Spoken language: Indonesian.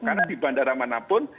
karena di bandara manapun